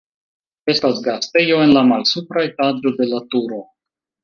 Estas gastejo en la malsupra etaĝo de la turo.